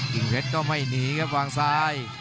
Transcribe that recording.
เพชรก็ไม่หนีครับวางซ้าย